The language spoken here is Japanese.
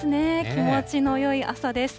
気持ちのよい朝です。